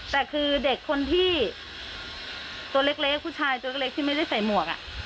แต่คือเด็กคนที่ตัวเล็กผู้ชายตัวเล็กที่ไม่ได้ใส่หมวก